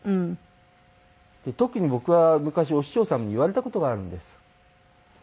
特に僕は昔お師匠様に言われた事があるんです。